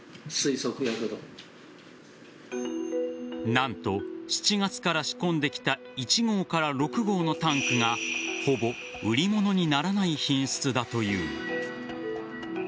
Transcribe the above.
何と、７月から仕込んできた１号６号のタンクがほぼ売り物にならない品質だという。